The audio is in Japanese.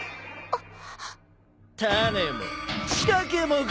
あっ。